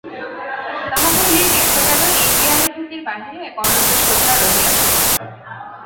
তাহা হইলেই দেখা গেল, ইন্দ্রিয়ানূভূতির বাহিরে এক অনন্ত সত্তা রহিয়াছে।